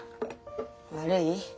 悪い？